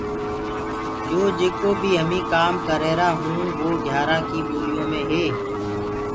يو جيڪو بي هميٚنٚ ڪآم ڪر رهيرآ هوُنٚ وو گيآرآ ڪيٚ ٻوليو مي هي۔